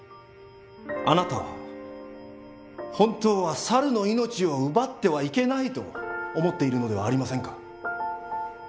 あなたは本当は猿の命を奪ってはいけないと思っているのではありませんか？